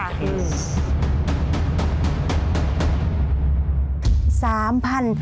อืม